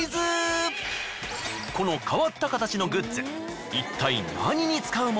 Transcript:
この変わった形のグッズいったい。